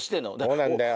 どうなんだよ？